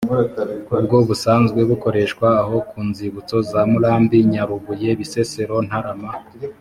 ubwo busanzwe bukoreshwa aho ku nzibutso za murambi, nyarubuye, bisesero, ntarama